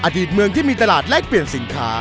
อดีตเมืองที่มีตลาดแลกเปลี่ยนสินค้า